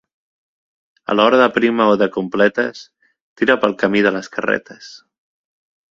A hora de prima o de completes tira pel camí de les carretes.